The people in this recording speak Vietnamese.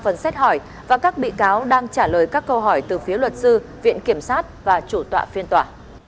phần xét hỏi và các bị cáo đang trả lời các câu hỏi từ phía luật sư viện kiểm sát và chủ tọa phiên tòa